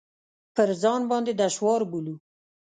پر ځان باندې دشوار بولو.